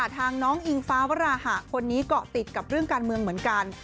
ทางน้องอิงฟ้าวราหะคนนี้เกาะติดกับเรื่องการเมืองเหมือนกัน